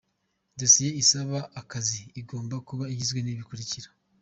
Dossier isaba akazi igomba kuba igizwe n’ibi bikurikira :.